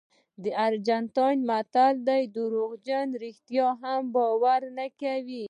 د ارجنټاین متل وایي دروغجن رښتیا هم باور نه کوي.